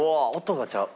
音がちゃう。